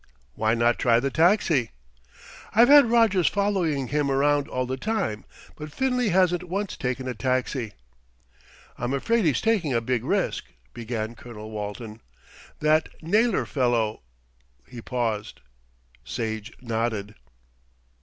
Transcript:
"Why not try the taxi?" "I've had Rogers following him round all the time; but Finlay hasn't once taken a taxi." "I'm afraid he's taking a big risk " began Colonel Walton. "That Naylor fellow " He paused. Sage nodded.